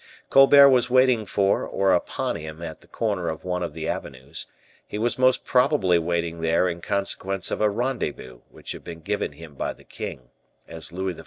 Colbert was waiting for or upon him at the corner of one of the avenues; he was most probably waiting there in consequence of a rendezvous which had been given him by the king, as Louis XIV.